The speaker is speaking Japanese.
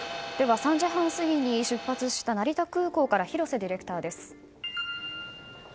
３時半過ぎに出発した成田空港から広瀬ディレクターです。